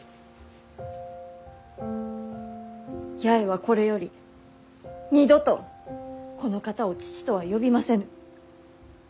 八重はこれより二度とこの方を父とは呼びませぬ。